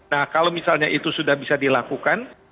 nah kalau misalnya itu sudah bisa dilakukan